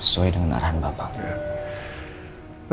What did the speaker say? silahkan mbak mbak